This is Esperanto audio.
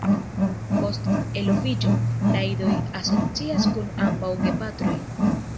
Post eloviĝo, la idoj asocias kun ambaŭ gepatroj.